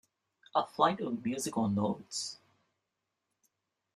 A flight of musical notes.